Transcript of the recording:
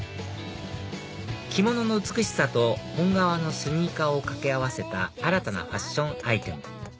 着物の美しさと本革のスニーカーを掛け合わせた新たなファッションアイテム